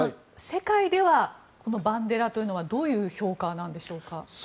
世界では、バンデラというのはどういう評価なんでしょうか。